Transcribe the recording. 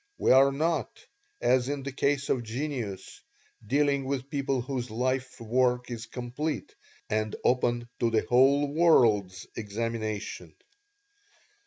We are not, as in the case of genius, dealing with people whose life work is complete and open to the whole world's examination.